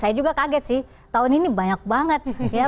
saya juga kaget sih tahun ini banyak banget